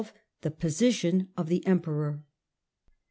THE POSITION OF THE EMPEROR.